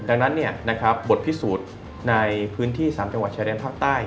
ดังนั้นบทพิสูจน์ในพื้นที่๓จังหวัดชายแดนภาคใต้